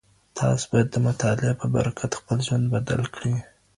تاسو بايد د مطالعې په برکت خپل ژوند بدل کړئ.